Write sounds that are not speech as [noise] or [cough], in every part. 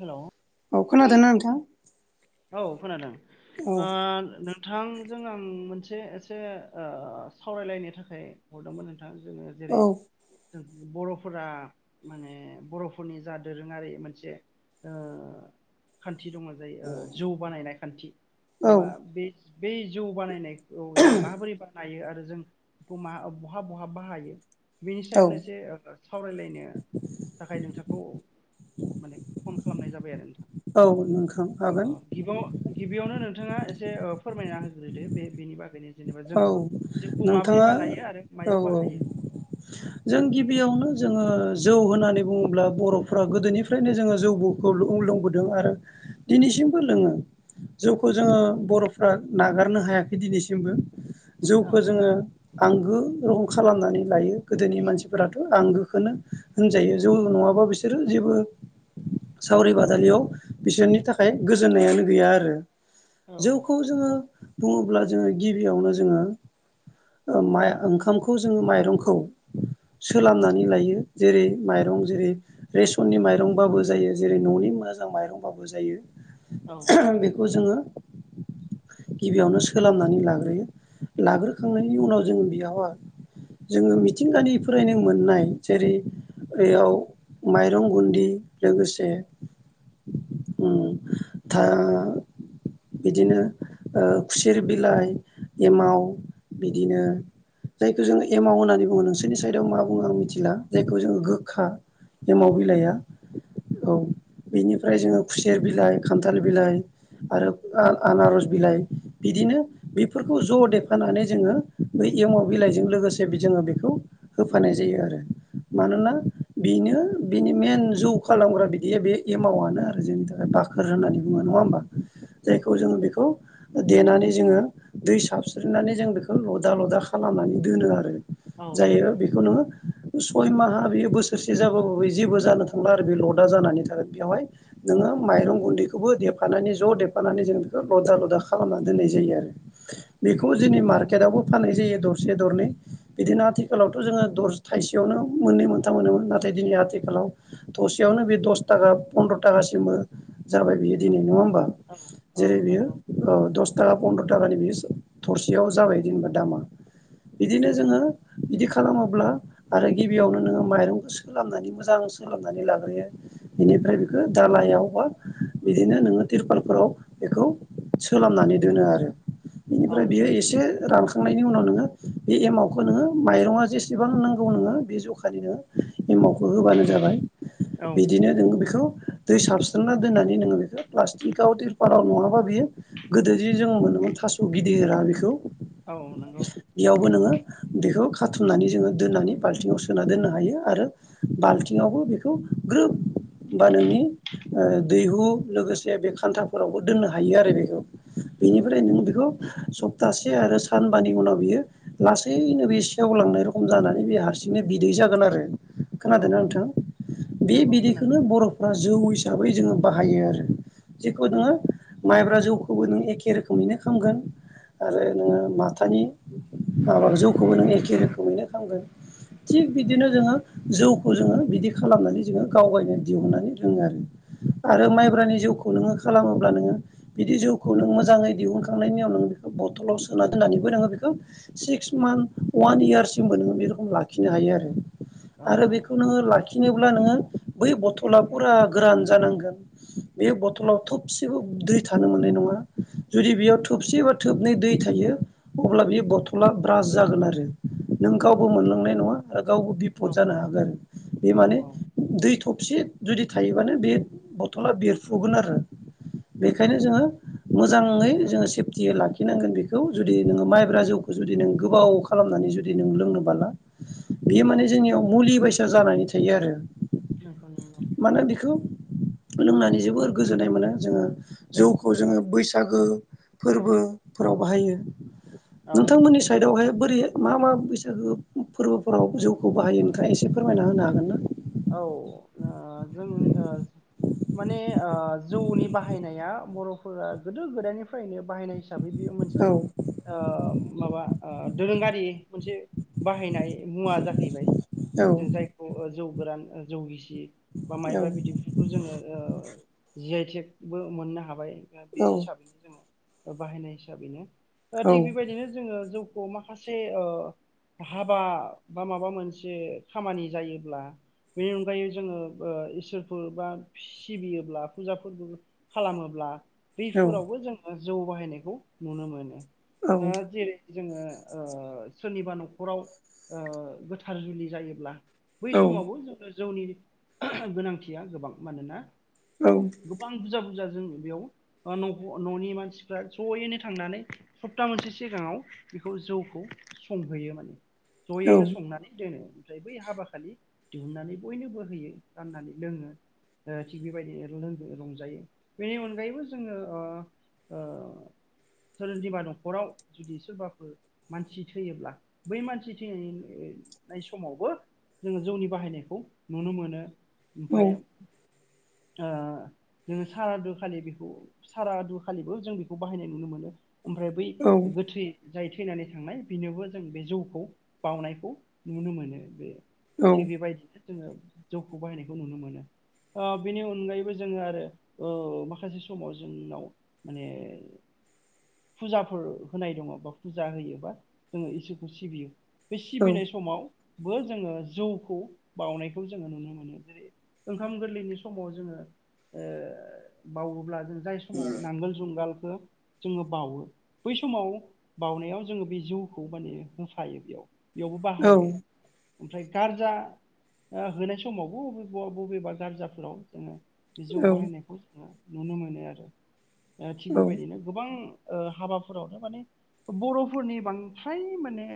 Hello अख न दनाथा औ खोनादों बिथांजों आं मोनसे एसे सावरायलायनो थाखाय हरदोंमोन जोङो जेरै औ बर'फोरा माने बर'फोरनि जा दोरोङारि मोनसे आ ख दङ जायो जौ बानायनाय खान्थि औ बे बै जौ बानायनाय औ जों माबोरै बानायो आरो जों बेखौ म बहाब बहाब बाहायो बेनि औ सायावनो एसे सावरायलायनो थाखाय नोंसोरखौ माने फन खालामनाय जाबाय आरो नोंथां मोनखां अ खागोन गिबियाव गिबियावनो नोंथाङा एसे फोरमायना होग्रोदो बे बेनि बागैनो जेनेबा औ जोंखौ जोंखौ माबोरै नोंथाङा बानायो आरो औ मायाव बाहायो जों गिबियावनो जोङो जौ होननानै बुङोब्ला बर'फोरा गोदोनिफ्रायनो जोङो जौ बखौ लोंबोदों आरो दि दिनैसिमबो लोङो जौखौ जोङो बर'फ्रा नागारनो हायाखै दिनैसिमबो औ जिउखौ जोङो आंगो रखम खालामनानै लायो गोदोनि मानसिफोराथ' आंगोखौनो होनजायो जौ नङाबा बिसोरो सावरि बादालियाव बिसोरनि थाखाय गोजोननायानो गैया आरो औ जौखौ जोङो बुङोब्ला जोङो गिबियावनो जोङो ओंखामखौ जोङो माइरंखौ सोलाबनानै लायो जेरै माइरं जेरै रेसननि माइरंबाबो जायो जेरै न'नि मोजां माइरंबाबो जायो औ बेखौ जोङो गिबियावनो सोलाबनानै लागोन लाग्रोखांनायनि उनाव जों बेयावहाय जोङो मिथिंगानिफ्रायनो मोननाय जेरै ओयाव माइरं गुदि लोगोसे उम बिदिनो खुसेर बिलाइ एमाव बिदिनो जायखौ जोङो एमाव होननानै बुङो नोंसोरनि साइडआव मा बुङो आं मिथिला जायखौ जोङो गोखा औ एमाव बिलाइया औ बेनिफ्राय नंगौ जोङो खुसेर बिलाइ खान्थाल बिलाइ आरो आनारस बिलाइ बिदिनो बेफोरखौ ज' देफानानै जोङो बै एमाव बिलाइजों लोगोसे जोङो बेखौ होफानाय जायो आरो मानोना बेनो बिनि मइेन जौ खालामग्रा बिदि बे एमावनो आरो जोंनि थाखाय बाखोर होननानै बुङो नङा होमबा जायखौ जोङो बेखौ देनानै जोङो दै साबस्रिनानै जों बेखौ लदा लदा खालामनानै दोनो आरो औ जायो बेखौ नोङो सय माहा बेयो बोसोरसे जाबाबो बे जेबो जानो थांला आरो बे लदा जानानै थागोन बेयावहाय नोङो माइरं गुन्दैखौबो देफानानै ज' देफानानै जों बेखौ लदा लदा खालामनानै दोननाय जायो आरो बेखौ जोंनि मार्केटआवबो फाननाय जायो दरसे दरनै बिदिनो आथिखालावथ' जोङो दसे थाइसेयावनो मोननै मोनथाम मोनोमोन नाथाय दिनै आथिखालाव थरसेयावनो बे दस थाखा फन्द्र' थाखासिम जाबाय बियो दिनै नङा होमबा औ जेरै औ बियो नंगौ दस थाखा फन्द्र' थाखानि बे थरसेयाव जाबाय जेनेबा दामा बिदिनो जोङो बिदि खालामोब्ला आरो गिबियावनो नोङो माइरंखौ सोलानानै मोजां सोलोंनानै लाग्रोयो बेनिफ्राय बेखौ दालायाव बा बिदिनो नोङो तिरपालफोराव बेखौ सोलाब औ नायनि उनाव नोङो बे एमावखौ नोङो माइरं आ जेसेबां नांगौ नोङो बे जखानिनो एमावखो औ ना दोननानै नोङो बेखौ प्लास्टिकआव तिरपालाव नङाबा बेयो गोदोजे जों मोनोमोन थास' गिदिरा बेखौ औ नंगौ बेयावबो नोङो बेखौ खाथुमनानै जोङो दोननानै बाल्थिंङाव सोना दोननो हायो आरो बाल्थिंआवबो बेखौ ग्रोब बा नोंनि ओ दैहु लोगोसे बे खान्थाफोरावबो दोननो हायो आरो बेखौ बेनिफ्राय औ नों बेखौ सप्तासे आरो सानबानि उनाव बियो लासैनो बे सेवलांनाय रखम जानानै बे हारसिंनो बिदै जागोन आरो औ खोनादोंना नोंथां बे नंगौ खोनादों बिदैखौनो बर'फ्रा जौ हिसाबै जोङो बाहायो आरो जेखौ नोङो माइब्रा जौखौबो नों एखे रोखोमैनो खामगोन आरो नोङो माथानि माबा जौखौबो नों एखे रोखोमैनो खालामगोन थिग बिदिनो जोङो जौखौ जोङो बिदि खालामनानै जोङो गावगावनो दिहुननानै लोङो आरो आरो औ माइब्रानि जौखौ नोङो खालामोब्ला नोङो बिदि जिउखौ नों मोजाङै दिहुन खांनायनि उनाव नोङो बेखौ बथलाव सोना दोननानैबो नोङो बेखौ सिक्स मान अवान इयारसिम बे रोखोम लाखिनो हायो आरो औ आरो बेखौ नोङो लाखिनोब्ला नोङो बै बथला फुरा बे बथलाव थबसेबो दै थानो मोननाय नङा जुदि बेयाव थोबसे बा थोबनै दै थायो अब्ला बे बथला ब्रास जागोन आरो नोंगावबो मोनलांनाय नङा आरो गावबो औ बिफद जानो हागोन आरो बे औ माने दै थबसे जुदि थायोबानो बे बथला बेरफुगोन आरो बेखायनो जोङो मोजाङै जोङो सेफटियै लाखिनांगोन बेखौ जुदि नोङो माइब्रा जौखौ जुदि नों गोबाव खालामनानै जुदि नों लोंनोबाला बेयो औ माने जोंनियाव मुलि बायसा जानानै थायो आरो मानोना बेखौ [inaudible] लोंनानै जोबोर गोजोननाय मोनो जोङो औ जौखौ जोङो बैसागो फोरबोफोराव बाहायो औ औ नोंथांमोननि साइदावहाय बोरै मा मा बैसागो फोरबोफोराव जौखौ बाहायो नोंख एसे फोरमायना होनो हागोन ना औ ओ जों माने ओ जौनि बाहायनाया बर'फोरा गोदो गोदायनिफ्रायनो बाहायनाय हिसाबै बियो औ मोनसे ओ माबा ओ दोरोङारि मोनसे बाहायनाय मुवा जाहैबाय औ जों जायखौ जौ गोरान जौगिसि बा माइबा बिदैफोरखौ जोङो ओ जि आइ टेकबो मोननो हाबाय बे हिसाबैनो जोङो बाहायनाय हिसाबैनो ओ औ थिग बेबायदिनो जोङो जौखौ माखासे ओ हाबा बा माबा मोनसे खामानि जायोब्ला बेनि अनगायै जोङो ओ इसोरफोर बा सिबियोब्ला फुजा फोरबो खालामोब्ला बेफोरावबो जोङो जौ बाहायनायखौ नुनो मोनो औ दा जेरै जोङो ओ सोरनिबा न'खराव गोथार जुलि जायोब्ला बै औ समावबो जोंनो जौनि गोनांथिया गोबां मानोना औ गोबां फुजा फुजा जों बेयाव न'नि मानसिफ्रा ज'यैनो थांनानै सप्ता मोनसे सिगाङाव बेखौ जौखौ संहैयो माने जयैनो संनानै दोनो ओमफ्राय बै हाबा खालि दिहुननानै बयनोबो होयो राननानै लोङो। थिग बेबायदिनोों रंजायो बेनि अनगायैबो जोङो ओ औ। सोरोंदिबा न'खराव जुदि सोरबाफोर मानसि थैयोब्ला बै मानसि थैनायनि नाय समावबो जोङो जौनि बाहायनायखौ नुनो मोनो ओमफ्राय आ जोङो सारादु खालि बेखौ सारादु खालिबो जों बेखौ बाहायनाय नुनो मोनो। ओमफ्राय बै गोथै जाय थैनानै थांनाय बेनोबो जों बे जौखौ बावनायखौ नुनो मोनो बे थिग बेबायदिनो जोङो जौखौ बाहायनायखौ नुनो मोनो। बेनि अनगायैबो जोङो आरो माखासे समाव जोंनाव माने फुजाफोर होनाय दङ बा फुजा होयोबा जोङो इसोरखौ सिबियो। बे सिबिनाय समाव बो जोङो जौखौ बावउनायखौ जोङो नुनो मोनो जेरै ओंखाम गोरलैनि समाव जोङो बावोब्ला जों जाय समाव नांगोल जुंगाल जोङो बावो बै समाव बाउनायाव जोङो बे जौखौ माने होफायो बेयाव बेयावबो बाहायो ओमफ्राय गारजा होनाय समावबो बबेबा बबेबा गारजाफोराव जोङो बे जौ बाहायनायखौ जोङो नुनो मोनो आरो दा थिग औ बेबायदिनो गोबां हाबाफोरावनो माने बर'फोरनि बांद्राय माने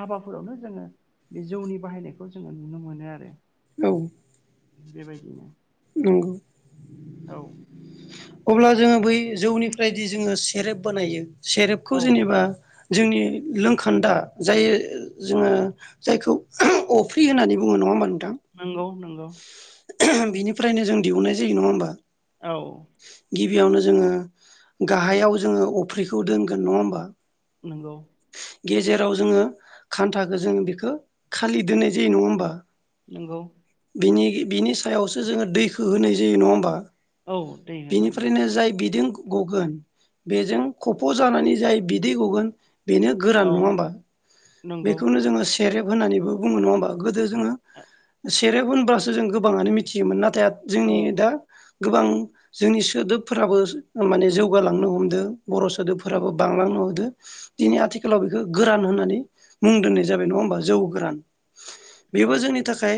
हाबाफोरावनो जोङो बे जौनि बाहायनायखौ जोङो नुनो मोनो आरो। औ। बेबायदिनो नंगौ। औ। अब्ला जोङो बै जौनिफ्रायदि जोङो सेरेब बानायो सेरेबखौ औ जेनेबा जोंनि लोंखान्दा जाय जोङो जायखौ अफ्रि होननानै बुङो नङा होनबा नोंथां? नंगौ नंगौ। बिनिफ्रायनो जों दिहुननाय जायो नङा होमबा? औ बेयावनो जोङो गाहायाव जोङो अफ्रिखौ दोनगोन नङा होमबा? नंगौ गेजेराव जोङो खान्थाखौ जों बेखौ खालि दोननाय जायो नङा होमबा? नंगौ। बिनि बिनि सायावसो जोङो दैखौ होनाय जायो नङा होमबा? औ दै होनानै बिनिफ्रायनो जाय बिदों गगोन बेजों खफ' जानानै जाय बिदै गगोन बेनो गोरान औ नङा होनोमबा नंगौ बेखौनो जोङो सेरेब होननानैबो बुङो नङा होमबा गोदो जोङो औ सेरेब होनबासो जों गोबाङानो मिथियोमोन नाथाय हा जोंनि दा गोबां जोंनि सोदोबफोराबो माने जौगालांनो हमदों बर' सोदोबफोराबो बांलां हो दिनै आथिखालाव बेखौ गोरान होननानै मुं दोननाय जाबाय नङा होमबा जौ गोरान। औ बेबो जोंनि थाखाय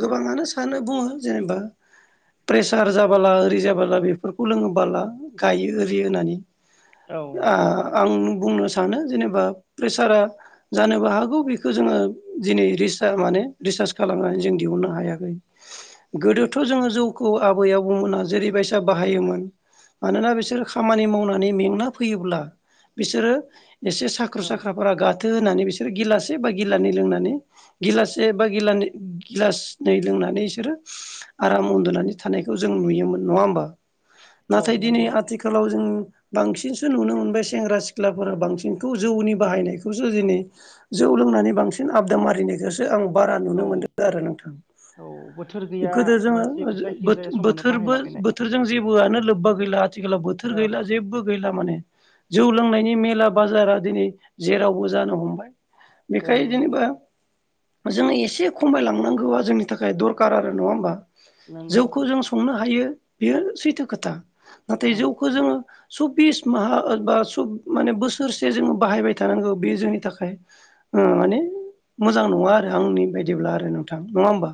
गोबाङानो सानो बुङो जेनेबा प्रेसार जाबोला ओरि जाबोला बेफोरखौ लोङोबोाला गायो ओरि होननानै आं बुंनो सानो सानो जेनेबा प्रेसारा जानोबो हागौ बेखौ जोङो दिनै रिसार माने रिसार [unintelligible] जों दिहुननो हायो। गोदोथ' जोङो जौखौ आबै आबो मोनहा जेरै बाहायोमोन मानोना बिसोर खामानि मावनानै मेंना फैयोब्ला बिसोरो एसे औ साख्र' साख्राफोरा गा फाथो होनानै बिसोरो गिलासे बा गिलान लोंनानै गिलास बा गि गिलासदनै लोनानै होननानै बिसोरो आराम उन्दुनानै थानायखौ जों नुयोमोन नङा होमबा? औ नाथाय दिनै नंगौ आथिखालाव जों बांसिनसो नुनो मोनबाय सेंग्रा सिख्ला फरा बांसिनखौ जौ नि बाहायनायखौसो दिनै जौ लोंनानै बांसिन आबदा मारिनायखौसो आं बारा औ नुनो मोन्दों आरो नोंथां। औ बोथोर गैया गोदो बा जे जोंङो जो जायखि जाया समावनो बोथोरबो बाहायलाबायनाय बोथोरजों जेबोआनो लोब्बा गैला आथि खालाव बोथोर गैला औ जेबो गैला माने जौ लोंनायनि मेला बाजारा दिनै जेरावबो जानो हमबाय। बेखाय औ जेनेबा जोंङो एसे खमायलांनांगौआ जोंनि थाखाय दरखार आरो नंङा होमबा? जौ नंगौ खौ जों संनो हायो बेयो सैथो खोथा नाथाय औ जौखौ जोंङो सब्बिस माहा बा माने बो सोरसे जोंङो बाहायबाय थानांगौ बे जोंनि थाखाय ओ माने मोजां नंङा आरो आंनि बायदिब्ला आरो नोंथां नंङा होमब्ला?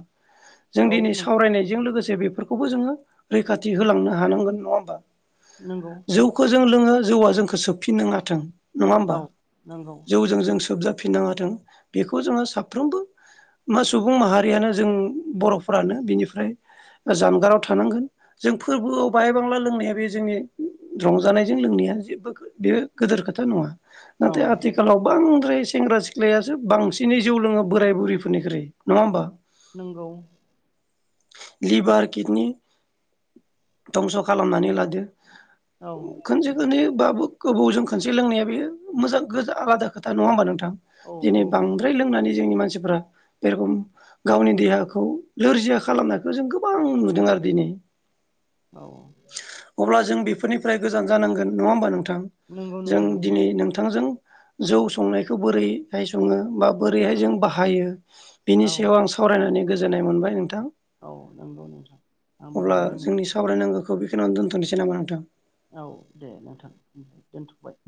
जों औ दिनै नंगौ सावरायनायजों लोगोसे बेब फोरखौ बो जोंङो रैखाथि होलांनो हांनांगोन नंङा होनबा नंगौ जौखौ जों जौवआ जोंखौ सोबफिन नांङाथों नंङा औ होमबा? नंगौ जौ जों जों सोबजा फिननां हाथों बेखौ जोंङो साफ्रोमबो मा सुबुं माहारियानो जों बर'फोरानो बिनिफ्राय जानगाराव थानांगोन जों फोरबोआव बाहाय बांला लोंनाया बे जोंनि रंजानायजों लोंनाया जेबो बे गिदोर खोथा नंङा औ नाथाय आथिखालाव बां म्राय सेंग्रा सिख्लायासो बांसिनै जौ लोंङो बोराय बुरिफोरनिख्रुइ नंङा होमबा? नोंगौ। लिभार किडनि धंस' खालामनानै लादो। औ खोनसे नंगौ खोनि बाबु गोबावजों खनसे लोंनाया बे मोजां आलादा खोथा नंङा होमबा नोंथां? औ दिनै बांद्राय लोंनानै जोंनि मानसिफ्रा बे रखम गावनि देहाखौ नोरजिया खालामनायखौ जों गोबां नुदों आरो दिनै औ अब्ला जों बेफोरनिफ्राय गोजान जानांगोन नंङा होमबा नोंथां? नंगौ जों नोंथां नंगौ दिनै नोंथांजों जौ संनायखौ बोरैहाय संङो बा बोरैहाय जों बाहायो बिनि औ सायाव आं सावरायनानै गोजोननाय मोनबाय नोंथां। औ नंगौ नोंथां आंबो गोजोननाय मोनदों। खौ बे खिनियावनो दोन्थ'नोसै नामा नोंथां? औ दे नोंथां दोनथ'बाय।